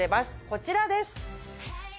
こちらです。